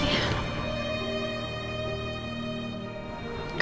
udah gak bisa donating hati buat mama